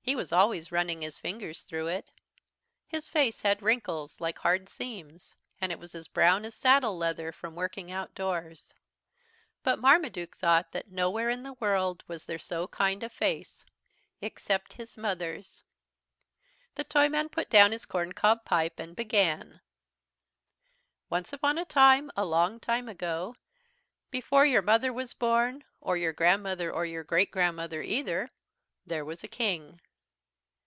He was always running his fingers through it. His face had wrinkles like hard seams, and it was as brown as saddle leather from working outdoors. But Marmaduke thought that nowhere in the world was there so kind a face, except his Mother's. The Toyman put down his corncob pipe and began: "Once upon a time, long time ago, before your mother was born, or your grandmother, or your great grandmother either, there was a King.